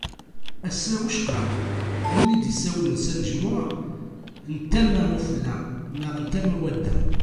Ass-a, wicqa win i d-issawlen s anejmuɛ, n tama n ufella neɣ n tama n wadda.